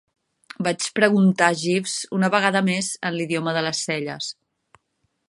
Vaig preguntar Jeeves una vegada més en l'idioma de les celles.